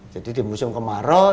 jadi di musim kemarau